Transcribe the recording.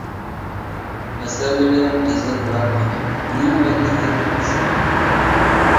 ئەسەرلىرى «قىزىل ۋە قارا» ئۇنىڭ ۋەكىللىك ئەسىرى.